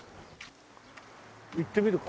行ってみるか。